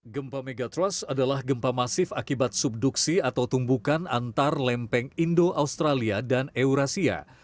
gempa megatrust adalah gempa masif akibat subduksi atau tumbukan antar lempeng indo australia dan eurasia